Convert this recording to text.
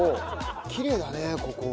きれいだねここ。